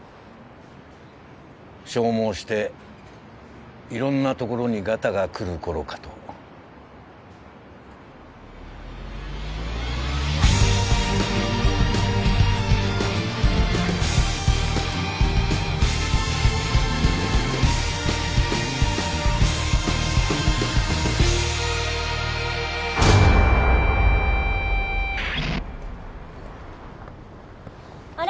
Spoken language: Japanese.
消耗して色んなところにガタがくる頃かとあれ？